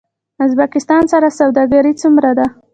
د ازبکستان سره سوداګري څومره ده؟